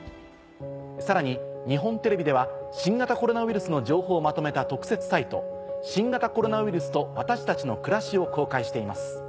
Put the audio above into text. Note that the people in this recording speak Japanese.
さらに日本テレビでは新型コロナウイルスの情報をまとめた。を公開しています。